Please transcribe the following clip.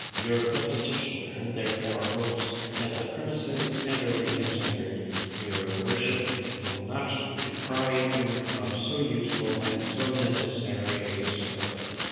"Your petitioner, therefore, hopes, that the premises tenderly considered, your Worship will not deprive him of so useful and so necessary a support.